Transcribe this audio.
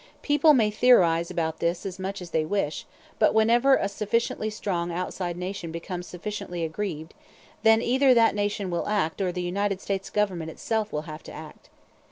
People may theorize about this as much as they wish, but whenever a sufficiently strong outside nation becomes sufficiently aggrieved, then either that nation will act or the United States Government itself will have to act.